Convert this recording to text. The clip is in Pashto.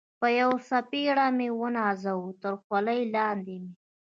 په یوه څپېړه مې و نازاوه، تر خولۍ لاندې مې.